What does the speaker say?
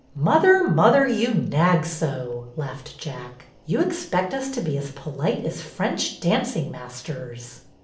'' Mother, mother, you nag so !" laughed Jack. '' You expect us to be as polite as French danc ing masters."